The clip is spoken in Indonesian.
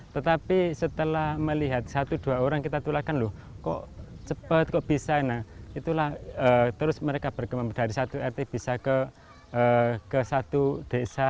tetapi setelah melihat satu dua orang kita tulahkan loh kok cepat kok bisa nah itulah terus mereka berkembang dari satu rt bisa ke satu desa